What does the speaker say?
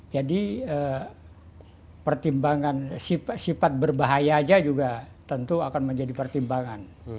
jadi pertimbangan sifat berbahaya aja juga tentu akan menjadi pertimbangan